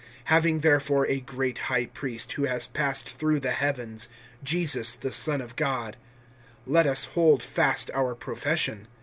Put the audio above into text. (14)Having therefore a great high priest, who has passed through the heavens, Jesus the Son of God, let us hold fast our profession.